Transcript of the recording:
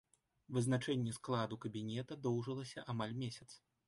Вызначэнне складу кабінета доўжылася амаль месяц.